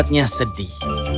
dia hanya sedih